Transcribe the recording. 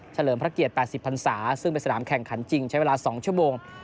เลิมพระเกียรติ๘๐พันศาซึ่งเป็นสนามแข่งขันจริงใช้เวลา๒ชั่วโมง